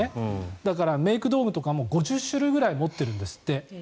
だから、メイク道具とかも５０種類ぐらい持っているんですって。